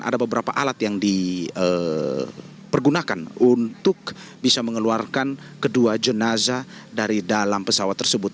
ada beberapa alat yang dipergunakan untuk bisa mengeluarkan kedua jenazah dari dalam pesawat tersebut